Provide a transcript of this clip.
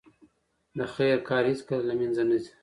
د خیر کار هیڅکله له منځه نه ځي.